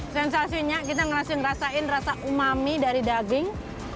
sensasinya kita ngerasa ngerasain rasa umami dari daging